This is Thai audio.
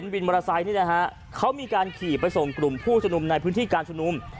วินมอเตอร์ไซค์นี่นะฮะเขามีการขี่ไปส่งกลุ่มผู้ชมนุมในพื้นที่การชุมนุม